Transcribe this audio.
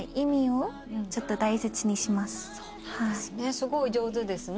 すごい上手ですね。